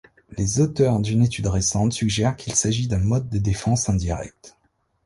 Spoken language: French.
Les auteurs d'une étude récente suggèrent qu'il s'agit d'un mode de défense indirect.